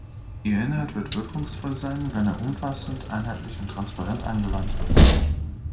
Ihr Inhalt wird wirkungsvoll sein, wenn er umfassend, einheitlich und transparent angewandt wird.